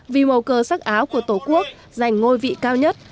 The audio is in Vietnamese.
vì màu cờ sắc áo của tổ quốc dành ngôi vị cao nhất